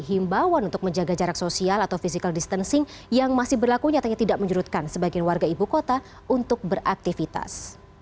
himbawan untuk menjaga jarak sosial atau physical distancing yang masih berlaku nyatanya tidak menyerutkan sebagian warga ibu kota untuk beraktivitas